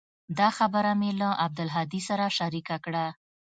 دا خبره مې له عبدالهادي سره شريکه کړه.